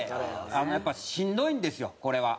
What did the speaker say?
やっぱしんどいんですよこれは。